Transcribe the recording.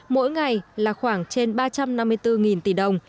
mỗi ngày là khoảng trên ba trăm năm mươi bốn tỷ đồng